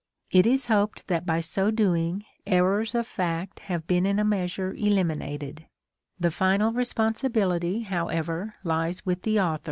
It is hoped that by so doing errors of fact have been in a measure eliminated; the final responsibility, however, lies with the author.